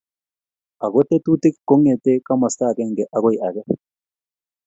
Ako tetutiik kong'ete komasta agenge akoi age.